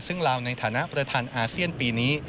ซึ่งลาวในฐานะประธานอาเซียนปีนี้